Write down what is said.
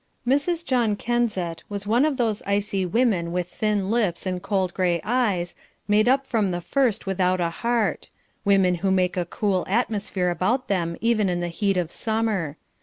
Mrs. John Kensett was one of those icy women with thin lips and cold grey eyes, made up from the first without a heart women who make a cool atmosphere about them even in the heat of summer.